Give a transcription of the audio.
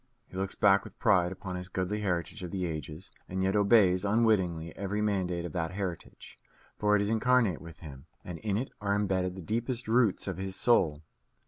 He looks back with pride upon his goodly heritage of the ages, and yet obeys unwittingly every mandate of that heritage; for it is incarnate with him, and in it are embedded the deepest roots of his soul.